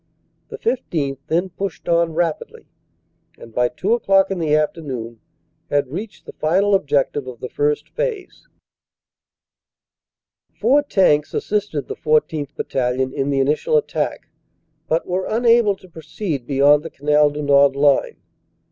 The 15th. then pushed on rapidly, and by two o clock in the after noon had reached the final objective of the First Phase. "Four tanks assisted the 14th. Battalion in the initial attack but were unable to proceed beyond the Canal du Nord line.